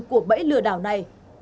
của bẫy lừa đảo này